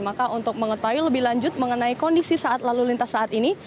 maka untuk mengetahui lebih lanjut mengenai kondisi saat lalu lintas saat ini